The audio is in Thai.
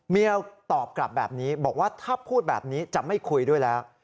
เมียตอบกลับแบบนี้บอกว่าถ้าพูดแบบนี้จะไม่คุยด้วยแล้ว